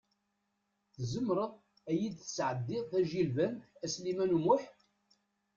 Tzemreḍ i yi-d-tesɛeddiḍ tajilbant, a Sliman U Muḥ?